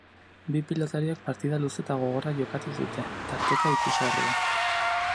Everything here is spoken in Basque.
Bi pilotariek partida luze eta gogorra jokatu dute, tarteka ikusgarria.